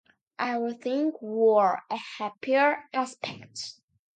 Everything wore a happier aspect.